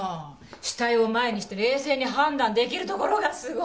死体を前にして冷静に判断できるところがすごい。